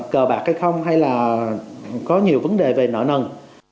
cờ bạc hay không hay là có nhiều vấn đề về nợ nần